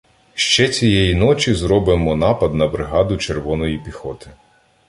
Ще цієї ночі зробимо напад на бригаду червоної піхоти.